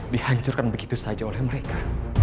dihancurkan begitu saja oleh mereka